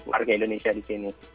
warga indonesia di sini